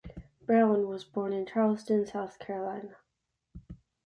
Brown was born in Charleston, South Carolina.